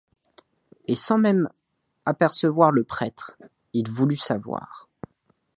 Et, sans même apercevoir le prêtre, il voulut savoir.